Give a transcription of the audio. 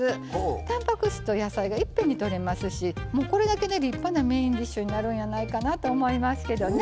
たんぱく質と野菜がいっぺんにとれますしこれだけで立派なメインディッシュになるんやないかなと思いますけどね。